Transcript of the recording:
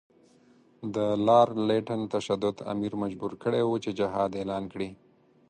د لارډ لیټن تشدد امیر مجبور کړی وو چې جهاد اعلان کړي.